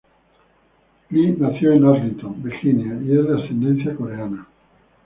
Lee nació en Arlington, Virginia y es de ascendencia coreana.